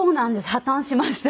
破綻しました。